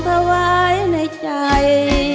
เธอไว้ในใจ